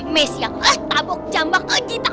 messi yang tabok jambang